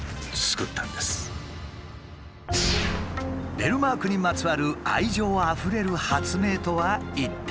ベルマークにまつわる愛情あふれる発明とは一体。